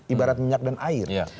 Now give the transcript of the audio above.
ibarat minyak dan air